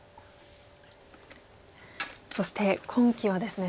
そして今期はですね